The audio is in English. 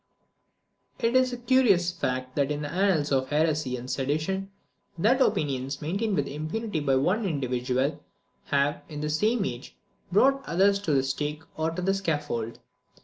It is a curious fact in the annals of heresy and sedition, that opinions maintained with impunity by one individual, have, in the same age, brought others to the stake or to the scaffold.